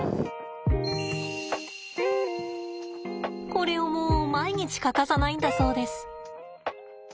これをもう毎日欠かさないんだそうです。